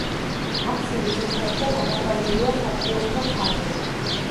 აფსიდის მხრებზე გადაყვანილია სატრიუმფო თაღი.